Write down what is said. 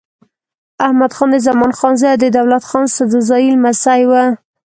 احمدخان د زمان خان زوی او د دولت خان سدوزايي لمسی و.